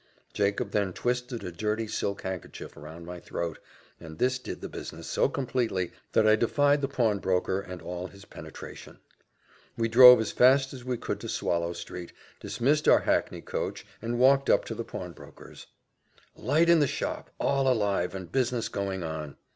Jacob then twisted a dirty silk handkerchief round my throat, and this did the business so completely, that I defied the pawnbroker and all his penetration. We drove as fast as we could to Swallow street dismissed our hackney coach, and walked up to the pawnbroker's. Light in the shop! all alive! and business going on.